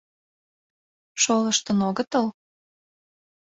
Шолыштын огытыл?